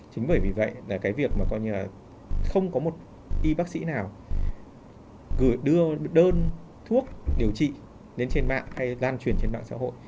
chính bởi vì vậy là cái việc mà coi như là không có một y bác sĩ nào gửi đưa đơn thuốc điều trị lên trên mạng hay lan truyền trên mạng xã hội